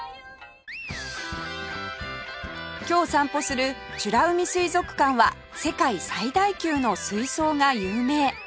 今日散歩する美ら海水族館は世界最大級の水槽が有名